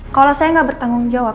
kalau saya nggak bertanggung jawab